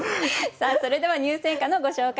さあそれでは入選歌のご紹介です。